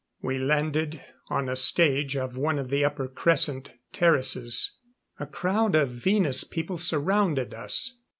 ] We landed on a stage of one of the upper crescent terraces. A crowd of Venus people surrounded us.